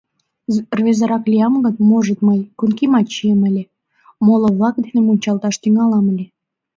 Рвезырак лиям гын, можыт, мый конькимат чием ыле, моло-влак дене мунчалташ тӱҥалам ыле.